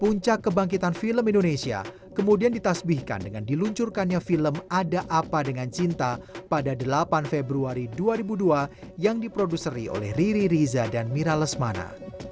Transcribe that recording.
puncak kebangkitan film indonesia kemudian ditasbihkan dengan diluncurkannya film ada apa dengan cinta pada delapan februari dua ribu dua yang diproduseri oleh riri riza dan mira lesmana